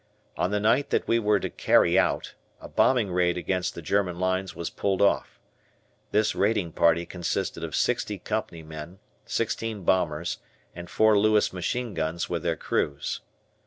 On the night that we were to "carry out," a bombing raid against the German lines was pulled off. This raiding party consisted of sixty company men, sixteen bombers, and four Lewis machine guns with their crews.